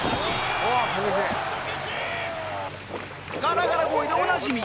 ガラガラ声でおなじみ